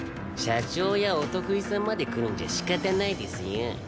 社長やお得意さんまで来るんじゃ仕方ないですよ。